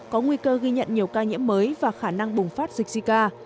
có nguy cơ ghi nhận nhiều ca nhiễm mới và khả năng bùng phát dịch zika